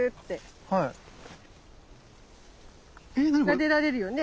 なでられるよね？